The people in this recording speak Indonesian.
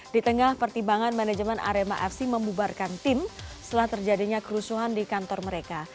di tengah pertimbangan manajemen arema fc membubarkan tim setelah terjadinya kerusuhan di kantor mereka